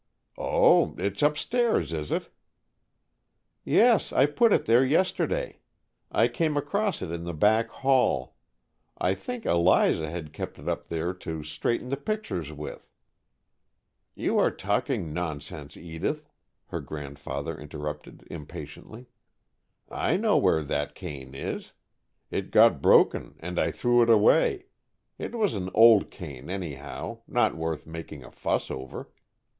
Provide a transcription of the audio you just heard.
"Oh, it's upstairs, is it?" "Yes, I put it there yesterday. I came across it in the back hall. I think Eliza had kept it up there to straighten the pictures with." "You are talking nonsense, Edith," her grandfather interrupted, impatiently. "I know where that cane is. It got broken and I threw it away. It was an old cane, anyhow, not worth making a fuss over."